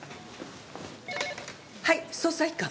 はい捜査一課。